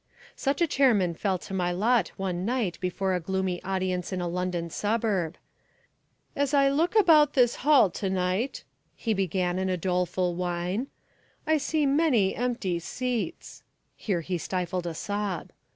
Such a chairman fell to my lot one night before a gloomy audience in a London suburb. "As I look about this hall to night," he began in a doleful whine, "I see many empty seats." Here he stifled a sob.